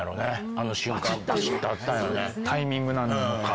あの瞬間パチッと合ったんやねタイミングなのか